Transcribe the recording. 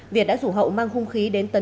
việt đã rủ hậu mang hung khí đến tấn